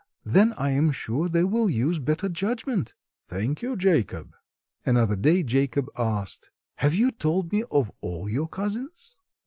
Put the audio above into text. Then I am sure they will use better judgment." "Thank you, Jacob." Another day Jacob asked: "Have you told me of all your cousins?"